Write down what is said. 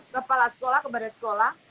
kepala sekolah kepada sekolah